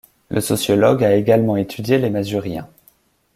Le sociologue a également étudié les Masuriens.